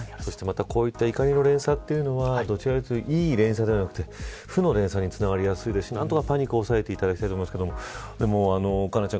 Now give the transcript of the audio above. こういった怒りの連鎖というのはいい連鎖ではなくて負の連鎖につながりやすいですし何とかパニックを抑えていただきたいと思いますけどでも、佳菜ちゃん